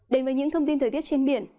đến với những thông tin thời tiết trên biển